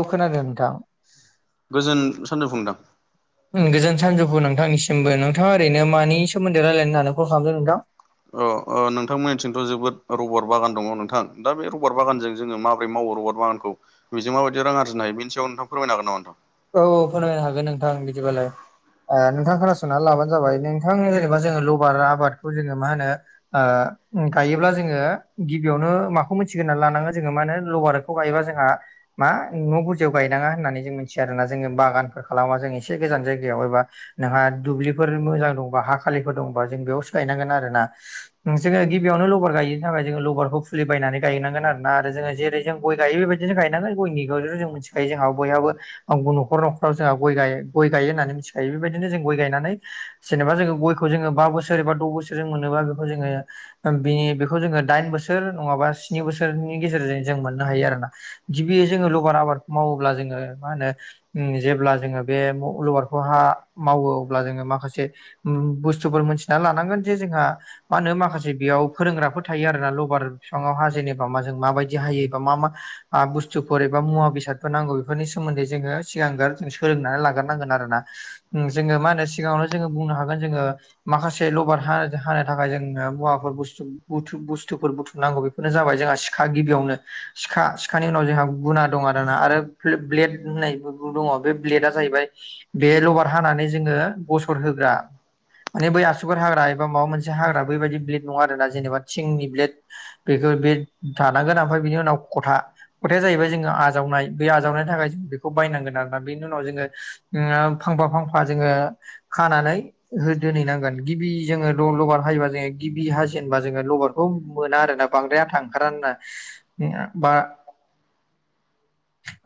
औ खोनादों नोंथां उम। गोजोन सानजौफु नोंथांनिसिमबो नोथाङा ओरैनो मानि सोमोन्दै रायलायनो लानो कल खालामदों नोंथां? अ' ओ नोंथांमोननिथिंथ' जोबोद रबार बागान दङ' नोंथां दा बे रबार बागानजों जोङो माबोरै मावो रबार बागानखौ बेजों माबायदि रां आरजिनो हायो बेनि सायाव नोंथां फोरमायनो हागोन नामा नोंथां? औ औ फोरमायनो हागोन नोंथां बिदिबालाय ए नोंथाङा खोनासंनानै लाबानो जाबाय नों थां जेनबा जोङो लबार आबादखौ जोङो मा होनो ओ गायोब्ला जोङो गिबियावनो माखौ मिथिगोरना लानाङो जोङो मा होनो लबारखौ गायोबा जोंहा मा न' बुरजायाव गायनाङा होननानै जों आरो ना जोङो बागानफोर खालामा जों एसे गोजान जायगायाव एबा नोंहा दुब्लिफोर मोजां दंबा हा खालिफोर दंबा जों बेयावसो गायनांगोन आरोना। जोङो गिबियावनो लबार गायनो थाखाय जोङो लबारखौ फुलि बायनानै गायनांगोन आरोना जोङो जेरै जों गय गायो बेबायदिनो गायनांगोन गयनि ग' जों मिथिखायो जोंहा बयहाबो न'खर न'खराव जोंहा गय गाय गय गायो होननानै मिथिखायो बेबायदिनो जों गय गायनानै जेनेबा जोङो गयखौ जोङो बा बोसोर एबा द' बोसोरजों मोनोबा बेखौ जोङो बिनि बेखौ जोङो दाइन बोसोर नङाबा स्नि बोसोरनि गेजेरजों जों मोननो हायो आरो ना। गिबि जोङो लबार आबादखौ मावोब्ला जोङो मा होनो जेब्ला जोङो बे लबारखौ हा मावो अब्ला जोङो माखासे उम बुस्थुफोर मोनथिना लानांगोन जे जोंहा मा होनो माखासे बेयाव फोरोंग्राफोर थायो आरोना लबार फिफाङाव हा जेनेबा माजों माबायदि हायो बा मा मा आ बुस्थुफोर एबा मुवा बेसादफोर नांगौ बेफोरनि सोमोन्दै जोङो सिगांगोर जों सोलोंनानै लाग्रोनांगोन आरो ना। जोङो मा होनो सिगाङावनो जोङो बुंनो हागोन जोङो माखासे लबार हा हानो थाखाय जोङो मुवाफोर बस्थु बुथु बुस्थुफोर बुथुमनांगौ बेफोरनो जाबाय जोंहा सिखा गिबियावनो सिखा सिखानि उनाव जोंहा गुना दं आ आरोना आरो फ्ले-ब्लेड होननाय फोरबो दङ' बे ब्लेडा जायैबाय बे लबार हानानै जोङो गसर होग्रा माने बै आसुगार हाग्रा एबा माबा मोनसे हाग्रा बेैबायदि ब्लेद नङा आरोना जेनेबा थिंनि ब्लेड बेखौ बे थानांगोन ओमफ्राय बिनि उनाव खथा खथाया जाहैबाय जोङो आजावनाय बे आजावनायनि थाखाय जोङो खौ बायनांगोन आरोना बेनि उनाव जोङो फांफा फांफा जोङो खानानै हो दोनहैनांगोन गिबि जोङो ल-लबार हायोबा जोङो गिबि हाजेनबा जोङो लबारखौ मोना आरोना बांद्राय आथा ओंखारा होनना। [unintelligible] बा [inaudible]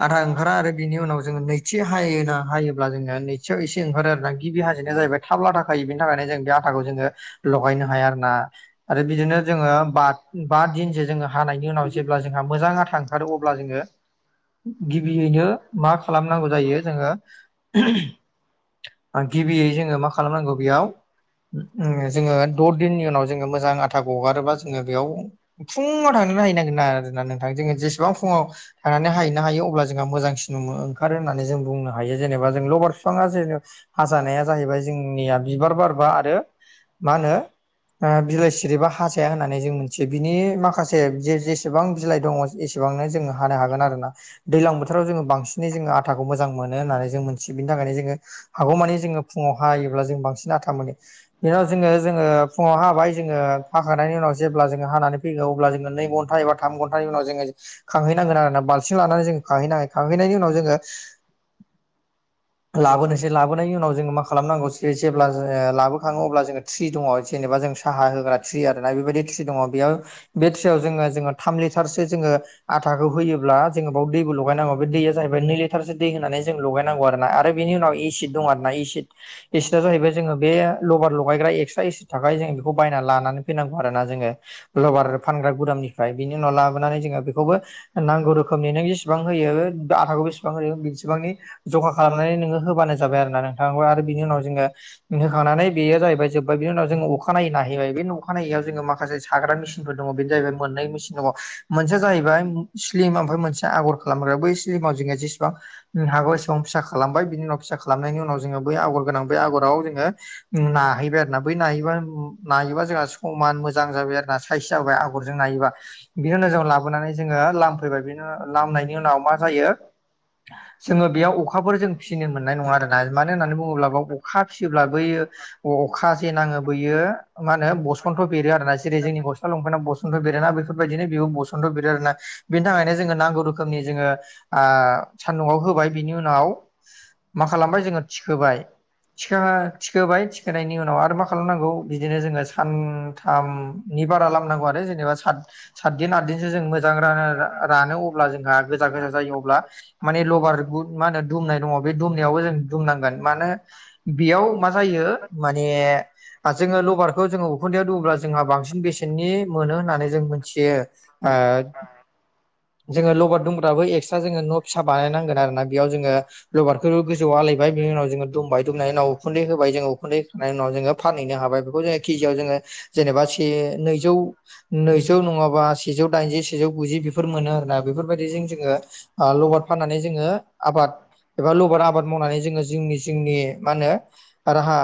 आथा ओखारा आरो बिनि उनाव जोङो नैथि हायोना हायोब्ला जोङो नैथियाव एसे ओंखारो आरोना गिबि हाजेननाया जाहैबाय थाब लाथाखायो बिनि थाखायनो जों बे आथाखौ जोङो लगायनो हाया आरो ना आरो बिदिनो जोङो बा बा दिन सो जोङो हानायनि उनाव जेब्ला जोंहा मोजां आथा ओंखारो अब्ला जोङो गिबियैनो मा खालामनांगौ जायो जोङो गिबियै जोङो मा खालामनांगौ बेयाव उम जोङो द' दिननि उनाव जोङो मोजां आथा ग'गारोबा जोङो बेयाव फुङाव थांनानै हैहैनांगोनना आरोना नोंथां जोङो जेसेबां फुङाव थांनानै हाहैनो हायो अब्ला जोंहा मोजांसिन नु ओंखारो होननानै जों बुंनो हायो जेनेबा जों लबार बिफाङा जेन हाजानाया जाहैबाय जोंनिया बिबार बारबा आरो मा होनो ओ बिलाइ सिरिबा हाजाया होननानै जों मिथियो बिनि माखासे जे जेसेबां बिलाइ दङ' एसेबांनो जोङो हानो हागोन आरोना दैलां बोथोराव जोङो बां जों आथाखौ मोजां मोनो होननानै जों मोनथियो बिनि थाखायनो जोङो हागौमानि जोङो फुङाव हायोब्ला जों बांसिन आथा मोनो। बेनाव जोङो जोङो फुङाव हाबाय जोङो हाखांनायनि उनाव जेब्ला जोङो हानानै ै अब्ला जोङ न घटा एााम घन्टानि उनाव जोांहैनांगोना बाल्सि लानानै जोंैां [unintelligible] नायनि उनाव जोङो लाबोनोसै लाबोनायनि उनाव जोङो मा खालामनांगौसो जेब्ला ओ लाबोखाङो अब्ला जोङो थ्रि दङ जेनेबा जों साहा होग्रा थ्रि आर ना बेबायदि थ्रि दङ बेयाव बे थ्रियाव जोङो जोङो थाम लिटारसो जोङो आथाखौ होयोब्ला जोङो बाव दैबो लगायनांगौ बे दैया जाहैबाय नै लिटारसो दै होनानै जों लगायनांगौ आरो ना आरो बेनि उनाव एसिद दं आरो ना एसिद एसिडआ जाहैबाय जोङो बे लभार लगायग्रा एक्सट्रा एसिड थाख जोंङ बेखौ बायना लानानै फैनांगौ आरो ना जोङो लभार फानग्रा गुदामनिफ्राय बिनि उनाव लाबोनानै जोङो बेखौबो नांगौ रोखोमनि नों जब [unintelligible] बेसेबां होयो आटाखौ बेसेबां होयो बेसेबांनि जखा खालामनानै नोङो होबानो जाबाय आरोना नों थांगौ आरो बिनि उनाव जोङो होखांनानै बेयो जाहैबाय जोब्बाय बिनि उनाव जोङो अखानायै नायहैबाय बे अखानायै जोङो माखा माखासे साग्रा मेसिनफोर दङ बेनो जाहैबाय मोननै मेसिन दङ। मोनसेया जाहैबाय स्लिम ओमफ्राय मोनसे आगर खालाम बै सिमाव जोङो जेसेबां हागौ एसेबां फिसा [unintelligible] खालामबाय बिनि उनाव फिसा खालामनायनि उनाव जोङो बै आगर गोनां बे आगराव जोङो नाहैबाय आरो ना बै नाहैबा नायबा जोंहा समान मोजां जाबाय आरो ना। साइस जाबाय आगरजों नायोबा बिनि नोजोराव लाबोनानै जोङो लामफैबाय बिनि उ लामनायनि उनाव मा [unintelligible] जो बेयाव अखा अखाफोर जों फिसिनो मोननाय नङा आरोना मानो होननानै बुङोब्ला ब अखा फिसियोब्ला बैयो अखा जे नाङो बैयो मा होनो बसन्थ' बेरो आरोना जेरै जोंनि गस्ला लंफेेनाव बसन बसन्थ' बेरोना बेफोरबायदिनो बेयाव बसन्थ' बेरेरोना बेनि थाखायनो जोङो नांगौ रोखोमनि जोङो सान्दुंआव होबाय बिनि उनाव मा खालामबाय जोङो थिखोबाय थिखा थिखोबाय थिखोनायनि उनाव आरो मा खालामनांगौ बिदिनो जोङो सान थ बारालामनांगौ आरो जेबादिन आदिनो ज मां [unintelligible] अ जोंहा गोजा -गोजा जायो अब्ला मान लार ग मा होनो दुमनाय दङ बे दुमनायावबो जों दुमनांगोन मानो बेयाव मा जायो माने आरो जोङो लबारखौ जोङो उखुन्दयाव दु्ला जोंहा बांसिन बेसेननि मोनो होननानै जों मिथियो। ओ जोङो लबार दंब्राबो एक्सट्रा जोङो न' फिसा बानायनांगोन आरो ना‌ बेयाव जोङो लबारखौ गोजौआव आलायबाय बिनि उनाव जोङो दुमबाय दुमनायनि उनाव उखुन्दै होबाय जोङो उखुन्दै होखांनायनि उनाव जोङो फानहैनो हाबाय बेखौ जोङो केजियाव जोङो जेनेबा से नैजौ नैजौ नङाबा सेजौ दाइनजि सेजौ गुजि बेफोर मोनो आरोना बेफोरबायदिजों जोङो ओ लबार फाननानै जोङो आबाद एबा लबार आबाद मावनानै जोङो जोंनि जोंनि मा होनो राहा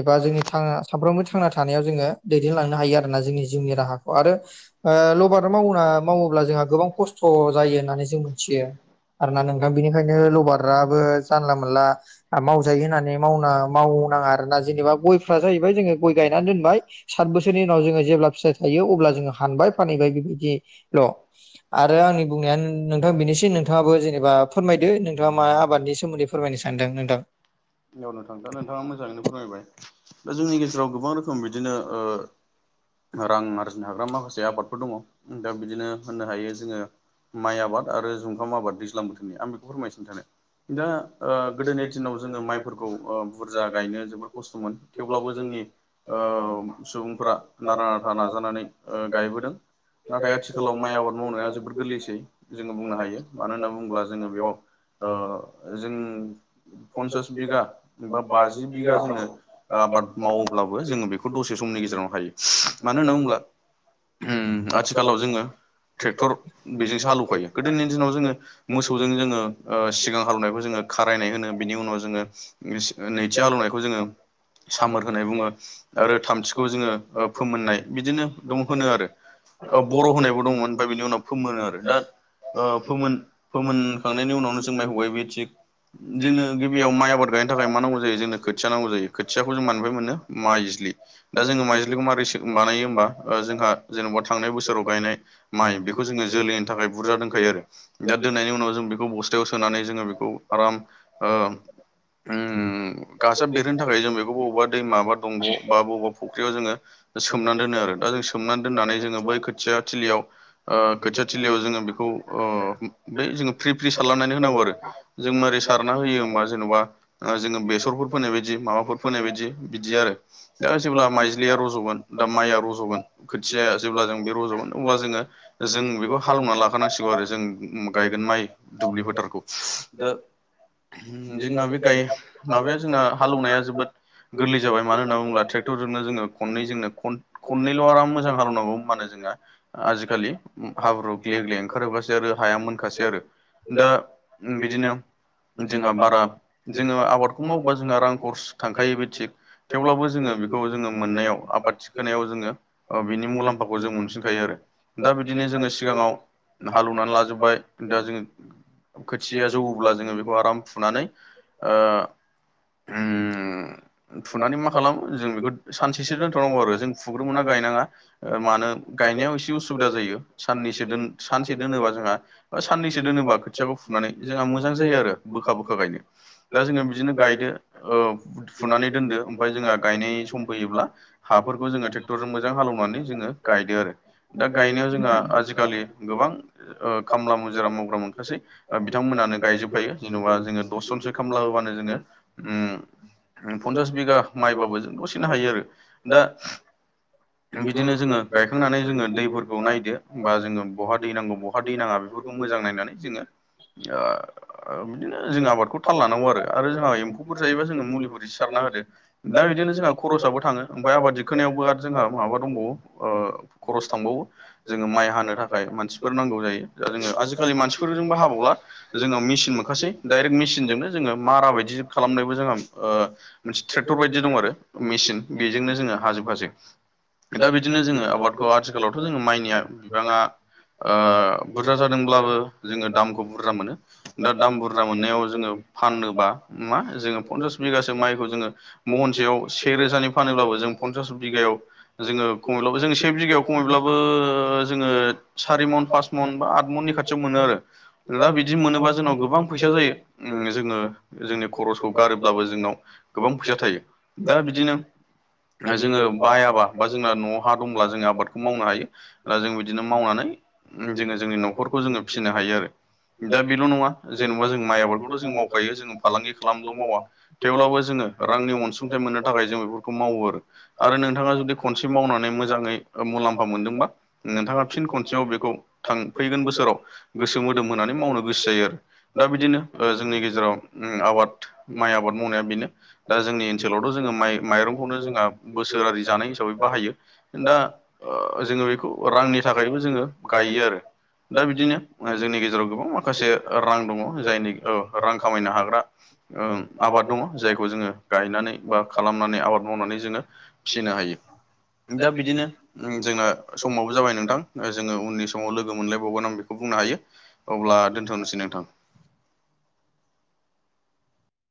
एबा जोंनि थांना सानफ्रोमबो थांना थानायाव जोङो दैदेनलांनो हायो आरोना जोंनि जिउनि राहाखौ आरो ओ लबार मावना मावोब्ला जोंहा गोबां खस्थ' जायो होननानै जों मिथियो आरोना नोंथां बेनिखायनो लबाराबो जानला मोनला मावजायो होननानै मावना मावनाङा आरोना जेनेबा गयफ्रा जाहैबाय जोङो गय गायनानै दोनबाय सात बोसोरनि उनाव जोङो जेब्ला फिथाइ थायो अब्ला जोङो हानबाय फानहैबाय बेबायदिल' आरो आंनि बुंनायानो नोंथां बिनिसै नोंथाङाबो जेनेबा फोरमायदो नोंथाङा मा आबादनि सोमोन्दै फोरमायनो सानदों नोंथां? बेखिनियाव नोथां दा नोंथाङा मोजाङैनो फोरमायबाय दा जोंनि गेजेराव गोबां रोखोम गोबां रोखोम बिदिनो ओ रां आरजिनो हाग्रा माखासे आबादफोर दङ दा बिदिनो होननो हायो जोङो माइ आबाद आरो जुंखाम आबाद दैज्लां बोथोरनि आं बे फोरमायसिन थानो [unintelligible] दा ओ गोदोनि दिनाव जोङो माइफोरखौ ओ बुरजा गायनो जोबोद खस्थ'मोन थेवब्लाबो जोंनि ओ सुबुंफोरा नारा नाथा नाजानानै ओगायबोदों नाथाय आथिखालाव माइ आबाद मावनाया जोबोर गोरलैसै जोङो बुंनो हायो मानो होनना बुङोब्ला जोङो बेयाव ओ जों फन्सास बिगा बा बाजि बिगा जोङो आबाद मावोब्लाबो जोङो बेखौ दसे समनि गेजेरावनो हायो। मानो होनना बुङोब्ला उम आथिखालाव जोङो ट्रेक्टर बेजोंसो हालौखायो गोदोनि दिनाव जोङो मोसौजों जोङो ओ सिगां हालौवनायखौ जोङो खारायनाय होनो बिनि उनाव जोङो नैथि हालेवनायखौ जोङो सामोर होनाय बुङो आरो थामथिखौ जोङो फोमोननाय बिदिनो दं होनो आरो बर' होनायबो दंमोन ओमफ्राय बिनि उनाव फोमोनो आरो दा फोमोन फोमोनखां नायनि उनावनो जों माइखौ गायो बे थिग। जोंनो गिबियाव माइ आबाद गायनो थाखाय मा नांगौ जायो जोंनो खोथिया नांगौ जायो खोथियाखौ जों मानिफ्राय मोनो माइज्लि दा जोङो माइज्लिखौ मारै बानायो होमबा जोंहा जेनेबा थांनाय बोसोराव गायनाय माइ बेखौ जोङो जोलैनि थाखाय बुरजा दोनखायो आरो दा दोननायनि उनाव जों बेखौ बस्थायाव सोनानै जोङो बेखौ आराम ओ उम गाजा बेरहोनो थाखाय जों बेखौ बबेबा दै माबा दंग' बा बबेबा फुख्रियाव जोङो सोमनानै दोनो आरो दा जों सोमनानै दोननानै जोङो बै खोथिया थिलियाव ओ खोथिया थिलियाव जोङो बेखौ अ बे जो फ्रि फ्रि सारलनानै होनांगौ आरो जों मारै सारना होयो होमबा जेन'बा जोङो बेसरफोर फोनाय बायदि माबाफोर फोनाय बायदि बिदि आरो दा जेब्ला माइज्लिया रज'गोन दा माइआ रज'गोन खोथियाया जेब्ला जों बे रज'गोन अब्ला जोङो जों बेखौ हालेवनानै लाखानांसिगौ आरो जों गायगोन माइ दुब्लि फोथारखौ दा जोंना बे गाय माबाया जोंना हालेवनाया जोबोद गोरलै जाबाय मानो होनना बुङोब्ला ट्रेक्टरजोंनो जोङो खननै जोंनो खननैल' आराम मोजां हालेनांगौ होनबानो जोंना आजिखालि हाब्रु ग्ले-ग्ले ओंखारजोबखासै आरो हाया मोनखासै आरो दा बिदिनो जोंहा बारा जोङो आबादखौ मावोबा जोंहा रां खर'स थांखायो बे थिग थेवब्लाबो जोङो बेखौ जोङो मोननायाव आबाद थिखोनायाव जोङो ओ बिनि मुलाम्फाखौ जों मोनफिनखायो आरो दा बिदिनो जोङो सिगाङाव हालौवनानै लाजोबबाय दा जों खोथिया जौवोब्ला जोङो बेखौ आराम फुनानै ओ उम फुनानै मा खालामो जों बेखौ सानसेसो दोनथ'नांगौ आरो जों फुग्रोमोना गायनाङा ओ मानो गायनायाव एसे उसुबिदा जायो साननैसो सानसे दोनोबा जोंहा साननैसो दोनोबा खोथियाखौ फुनानै जोंहा मोजां जायो आरो बोखा-बोखा गायनो दा जोङो बिदिनो गायदो फुनानै दोनदो ओमफ्राय जोंहा गायनाय सम फैयोब्ला हाफोरखौ जोङोे ट्रेक टरजों मोजां हालेवनानै जोङो गायदो आरो दा गायनायाव जोंहा आजिखालि गोबां ओ खामला मुजिरा माव ग्रा बिथांमोनानो गायजोबफायो जेन'बा जोङो दस जनसो खामलाबोबानो जोङो उम ओम पन्सास बिगा माइबाबो जों दसेनो हायो आरो दा बिदिनो जोङो गायखांनानै जोङो दैफोरखौ नायदो बा जोङो बहा दै नांगौ बहा दै नाङा बेफोरखौ मोजां नायनानै जोङो ओ बिदिनो जों आबादखौ थाल लानांगौ आरो आरो जोंहा एम्फौफोर जायोबा जोङो मुलिफोर ए सारना होदो। दा बिदिनो जोंहा खरसाबबो थाङो ओमफ्रायाय आबाद दिखोनायावबो आरो जोंहा माबा दंबावो ओ खरस थांबावो जोङो माइ हानो थाखाय मानसिफोर नांगौ जायो द जोङो आजिखालि मानसि फोरजोंबो हाबावला जोंहा मेसिन मोनोखासै डाइरेक्ट मेचिनजोंनो जोङो मारा बायदि खालामनायबो जोंहा ओ मोनसे ट्रेक्टर बायदि दं आरो मेसिन बेजोंनो जोङो हाजोबखासै। दा बिदिनो जोङो आबादखौ आथिखालावथ' जोङो माइनिया बिबाङा ओ बुरजा जादोंब्लाबो जोङो दामखौ बुरजा मोनो दा दाम बुरजा मोननायाव जोङो फानोबा मा जोङो पन्सास बिघासे माइखौ जोङो महनसेयाव सेेरोजानि फानोबबो जों फन्सास बिघायाव जोङो खमैब्लाबो जोङो से बिगायाव खमैब्लाबो जोङो सारि मन पास मन बा आठ मननि खाथियाव मोनो आरो। दा बिदि मोनोबा जोंनाव गोबां फैसा जायो जोङो जोंनि खरसखौ गारोब्लाबो जोंनाव गोबां फैसा थायो दा बिदिनो ओ जोङो बायाबा बा जोंना न'आव हा दंब्ला जोंङो आबादखौ मावनो हायो दा जों बिदिनो मावनानै जोङो जोंनि न'खरखौ जोङो फिसिनो हायो आरो। दा बेल' नङा जेनेबा जों माइ आबादखौथ' जों मावखायो जों फालांगि खालामनोल' मावा। थेवब्लाबो जोङो रांनि अनसुंथाइ मोननो थाखाय जों बेफोरखौ मावो आरो आरो नोंथाङा जुदि खनसे मावनानै मोजाङै ओ मुलाम्फा मोनदोंबा नोंथाङा फिन खनसेबाव बेखौ थां फैगोन बोसोराव गोसो मोदोम होनानै मावनो गोसो जायो आरो दा बिदिनो ओ जोंनि गेजेराव आबाद माइ आबाद मावनाया बेनो दा जोंनि ओनसोलावथ' जोङो माइ माइरंखौनो जोंहा बोसोरारि जानाय हिसाबै बाहायो। दा ओ जोङो बेखौ रांनि थाखायबो जोङो गायो आरो दा बिदिनो ओ जोंनि गेजेराव गोबां माखासे रां दङ जायनि ओ रां खामायनो हाग्रा ओम आबाद दङ जायखौ जोङो गायनानै बा खालामनानै आबाद मावनानै जोङो फिनो हायो। दा बिदिनो जोंना समाबो जाबाय नोंथां जोङो उननि समाव लोगो मोनलायबावगोन बुंनो हायो अब्ला दोनथ'नोसै नोंथां।